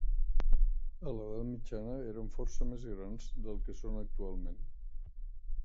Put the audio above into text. A l'edat mitjana eren força més grans del que són actualment.